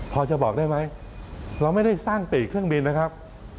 พอจะบอกได้ไหมเราไม่ได้สร้างปีกเครื่องบินนะครับ